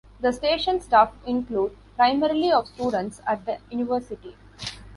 The station staff include primarily of students at the university.